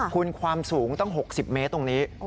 คุณความสูงตั้ง๖๐เมตรตรงนี้